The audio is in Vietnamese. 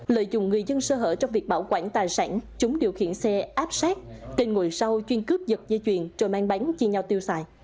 lợi dụng người dân sơ hở trong việc bảo quản tài sản chúng điều khiển xe áp sát tên ngồi sau chuyên cướp vật dây chuyền rồi mang bánh chia nhau tiêu xài